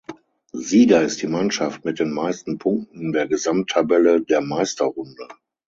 Sieger ist die Mannschaft mit den meisten Punkten der Gesamttabelle der Meisterrunde.